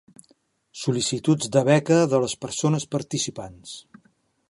Sol·licituds de beca de les persones participants.